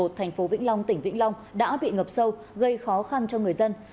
thành phố vĩnh long tỉnh vĩnh long đã bị ngập sâu gây khó khăn cho người dân